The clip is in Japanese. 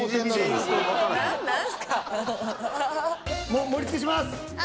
もう盛りつけします！